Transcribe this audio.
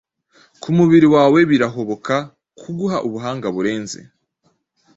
kumubiri wawe birahoboka kuguha ubuhanga burenze